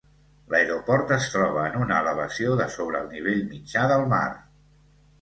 L'aeroport es troba en una elevació de sobre el nivell mitjà del mar.